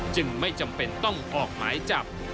จึงไม่จำเป็นต้องออกหมายจับ